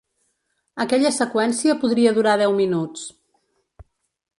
Aquella seqüència podria durar deu minuts.